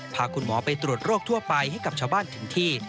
พาคุณหมอไปตรวจโรคทั่วไปให้กับชาวบ้านถึงที่